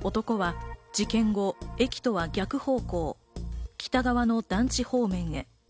男は事件後、駅とは逆方向、北側の団地方面へ。